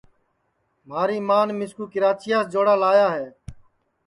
مھاری مان مِسکُو کراچیاس جوڑا لایا ہے